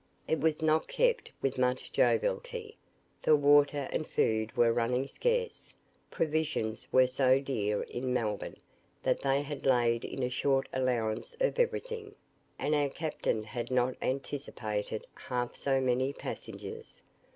It was not kept with much joviality, for water and food were running scarce. Provisions were so dear in Melbourne, that they had laid in a short allowance of everything, and our captain had not anticipated half so many passengers.